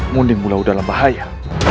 mundimu lau dalam bahaya